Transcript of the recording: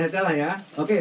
satu langkah maju pak